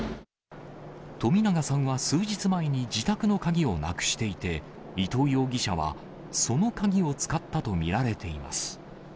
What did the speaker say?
冨永さんは数日前に自宅の鍵をなくしていて、伊藤容疑者は、その鍵を使ったと見られています。